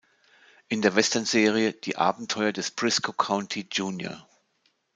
In der Westernserie "Die Abenteuer des Brisco County jr.